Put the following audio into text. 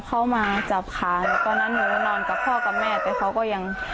เข้ามาอะไรบ้าง